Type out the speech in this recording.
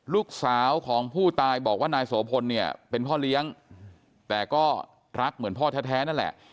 ลูกสาวของผู้ตายบอกว่านายโสพลเนี่ยเป็นพ่อเลี้ยงแต่ก็รักเหมือนพ่อแท้นั่นแหละ